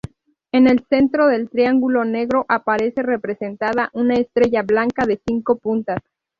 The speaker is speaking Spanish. En el centro del triángulo negro aparece representada una estrella blanca de cinco puntas.